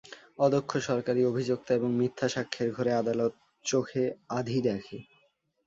অদক্ষ সরকারি অভিযোক্তা এবং মিথ্যা সাক্ষ্যের ঘোরে আদালত চোখে আঁধি দেখে।